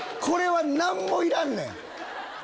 これは何もいらんねん！